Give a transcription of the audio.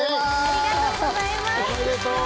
ありがとうございます。